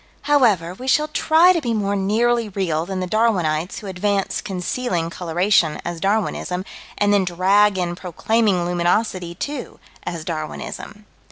However, we shall try to be more nearly real than the Darwinites who advance concealing coloration as Darwinism, and then drag in proclaiming luminosity, too, as Darwinism.